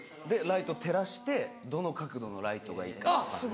ライト照らしてどの角度のライトがいいかとか。